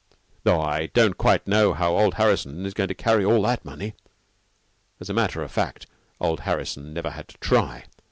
Tho I don't quite know how old Harrison is going to carry all that money." As a matter of fact, old Harrison never had to try.